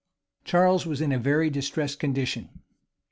Charles was in a very distressed condition.